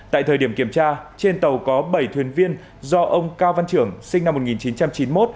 tại thời điểm kiểm tra trên tàu có bảy thuyền viên do ông cao văn trưởng sinh năm một nghìn chín trăm chín mươi một